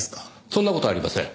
そんな事はありません。